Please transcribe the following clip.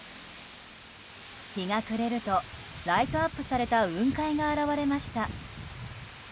日が暮れるとライトアップされた雲海が現れました。